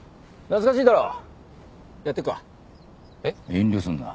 遠慮すんな。